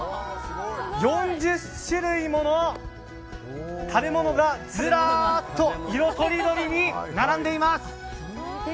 ４０種類もの食べ物がずらっと色とりどりに並んでいます！